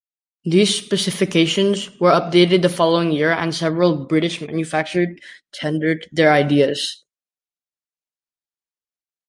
These specifications were updated the following year and several British manufacturers tendered their ideas.